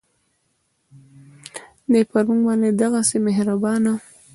دی پر مونږ باندې دغهسې مهربانه